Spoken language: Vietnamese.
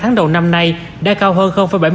hai tháng đầu năm nay đã cao hơn bảy mươi bốn